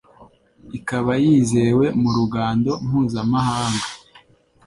ikaba yizewe mu ruhando mpuzamahanga